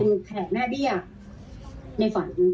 เป็นแขกแม่เบี้ยในฝัน